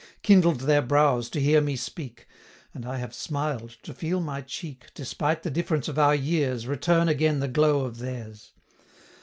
115 Kindled their brows to hear me speak; And I have smiled, to feel my cheek, Despite the difference of our years, Return again the glow of theirs.